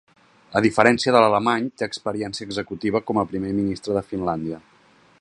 A diferència de l’alemany, té experiència executiva com a primer ministre de Finlàndia.